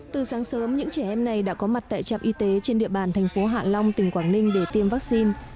từ sáng sớm những trẻ em này đã có mặt tại trạm y tế trên địa bàn thành phố hạ long tỉnh quảng ninh để tiêm vaccine